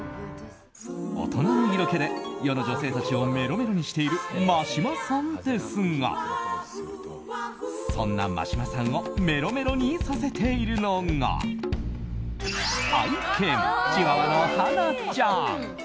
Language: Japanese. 大人の色気で世の女性たちをメロメロにしている眞島さんですがそんな眞島さんをメロメロにさせているのが愛犬、チワワのハナちゃん。